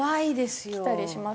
来たりしますよね。